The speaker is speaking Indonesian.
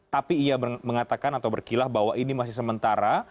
tapi ia mengatakan atau berkilah bahwa ini masih sementara